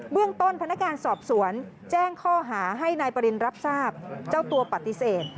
เรื่องต้นพนักงานสอบสวนแจ้งข้อหาให้นายปริณรับทราบเจ้าตัวปฏิเสธ